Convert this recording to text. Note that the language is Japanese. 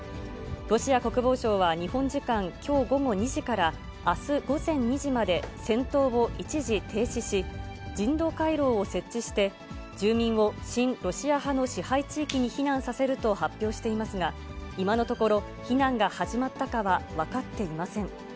ロシア国防省は日本時間きょう午後２時から、あす午前２時まで戦闘を一時停止し、人道回廊を設置して、住民を親ロシア派の支配地域に避難させると発表していますが、今のところ、避難が始まったかは分かっていません。